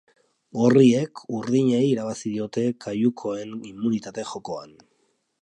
Gorriek urdinei irabazi diote kaiukoen immunitate-jokoan.